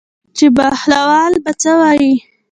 چې بهلول به څه وایي.